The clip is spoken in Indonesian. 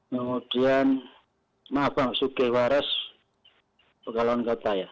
kemudian maaf bang sukihwaras pekalongan kota ya